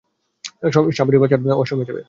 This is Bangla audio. সাবিত্রী, বাচ্চারা ওয়াশরুম যাবে।